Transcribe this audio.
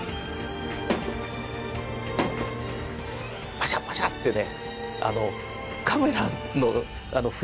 パシャパシャってね